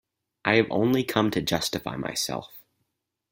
I have only come to justify myself.